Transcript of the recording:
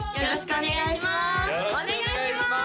お願いします！